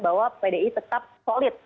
bahwa pdi tetap solid